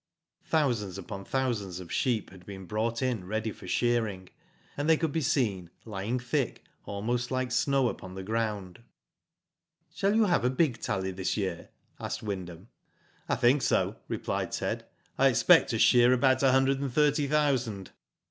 Thousands upon thousands of sheep had been brought in ready for shearing, and they could be seen, lying thick, almost like snow upon the ground. Shall you have a big tally this year?*' asked Wyndham. I think so,'^ replied Ted, I expect to shear about a hundred and thirty thousand.'